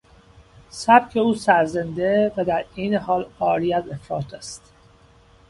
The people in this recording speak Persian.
سبک او سرزنده و درعین حال عاری از افراط است.